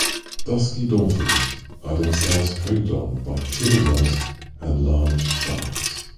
Dusky dolphins are themselves preyed on by killer whales and large sharks.